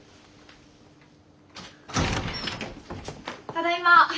ただいま。